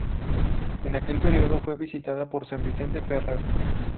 En aquel periodo fue visitada por San Vicente Ferrer.